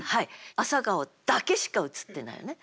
「朝顔」だけしか映ってないよね。